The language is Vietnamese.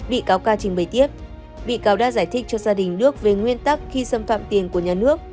bị cáo ca trình bày tiếp bị cáo đã giải thích cho gia đình nước về nguyên tắc khi xâm phạm tiền của nhà nước